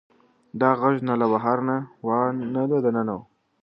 دا غږ نه له بهر نه و او نه له دننه نه.